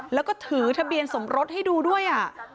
แล้วก็ถือทะเบียนสมรสให้ดูด้วย